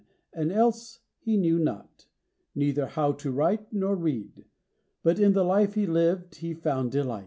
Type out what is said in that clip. And else he knew not: neither how to write Nor read; but in the life he lived he found delight.